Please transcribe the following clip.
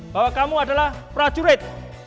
bahwa kamu adalah prajurit